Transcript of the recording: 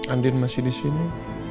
andin masih disini